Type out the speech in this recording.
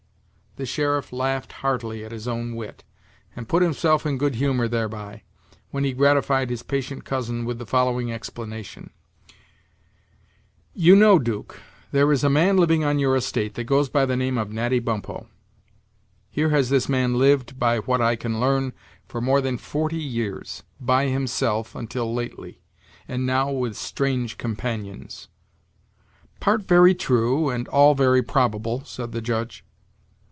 The sheriff laughed heartily at his own wit, and put himself in good humor thereby, when he gratified his patient cousin with the following explanation: "You know, 'Duke, there is a man living on your estate that goes by the name of Natty Bumppo. Here has this man lived, by what I can learn, for more than forty years by himself, until lately; and now with strange companions." "Part very true, and all very probable," said the Judge.